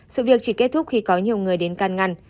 sự việc chỉ kết thúc khi có nhiều người đến can ngăn